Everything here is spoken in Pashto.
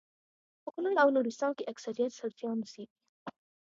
په کونړ او نورستان کي اکثريت سلفيان اوسيږي